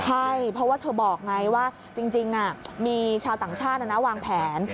ใช่เพราะว่าเธอบอกไงว่าจริงมีชาวต่างชาติวางแผน